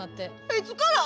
いつから？